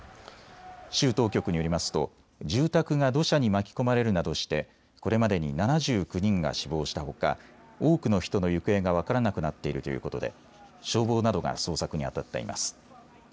州当局によりますと住宅が土砂に巻き込まれるなどしてこれまでに７９人が死亡したほか多くの人の行方が分からなくなっているということで消防などが捜索にあたっています。